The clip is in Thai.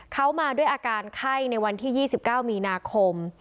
เขามาด้วยอาการไข้ในวันที่๒๙มีนาคม